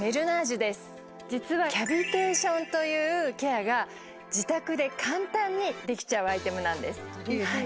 キャビテーションというケアが自宅で簡単にできちゃうアイテムなんです。